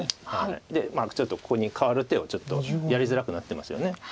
でちょっとここに換わる手をやりづらくなってますよね。